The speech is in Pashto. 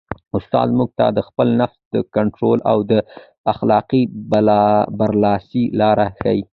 استاد موږ ته د خپل نفس د کنټرول او د اخلاقي برلاسۍ لارې ښيي.